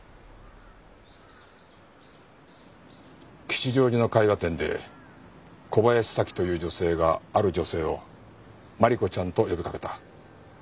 吉祥寺の絵画展で小林早紀という女性がある女性をまりこちゃんと呼びかけた。